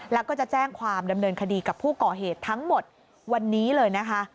แล้วก็จะแจ้งความดำเนินคดีกับผู้ก่อเหตุทั้งหมดวันนี้เลยนะคะ